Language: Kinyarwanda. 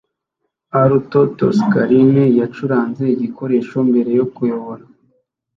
Arturo Toscanini yacuranze igikoresho mbere yo kuyobora